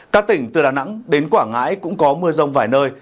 các tỉnh từ đà nẵng đến quảng ngãi cũng có mưa rông vài nơi